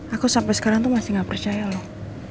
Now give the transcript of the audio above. aku sampai sekarang tuh masih gak percaya loh